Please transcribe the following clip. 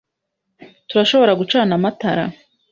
Turashobora gucana amatara?